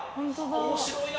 面白いな！